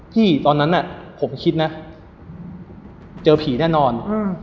ตอนนั้นผมคิดนะเจอผีแน่นอน